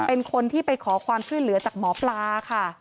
เป็นคนที่ไปขอความช่วยเหลือจากหมอปลาค่ะ